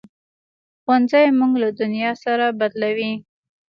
ښوونځی موږ له دنیا سره بلدوي